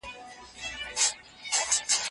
د افغانانو زړه سوزول د جګړې د سببونو نه دی.